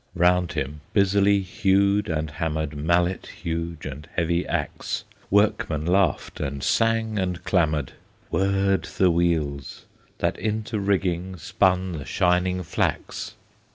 Round him busily hewed and hammered Mallet huge and heavy axe; Workmen laughed and sang and clamored; Whirred the wheels, that into rigging Spun the shining flax!